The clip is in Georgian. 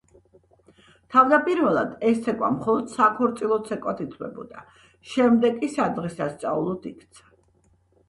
თავდაპირველად ეს ცეკვა მხოლოდ საქორწილო ცეკვად ითვლებოდა, შემდეგ კი სადღესასწაულოდ იქცა.